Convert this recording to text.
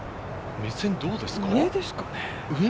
目線どうですか？